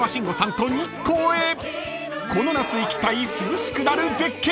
［この夏行きたい涼しくなる絶景］